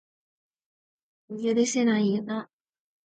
許せないよな